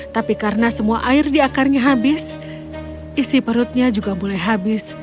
tapi karena semua air di akarnya habis isi perutnya juga mulai habis